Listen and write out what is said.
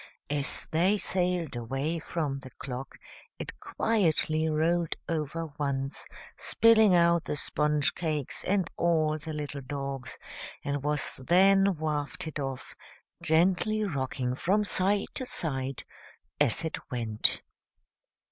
As they sailed away from the clock it quietly rolled over once, spilling out the sponge cakes and all the little dogs, and was then wafted off, gently rocking from side to side as it went.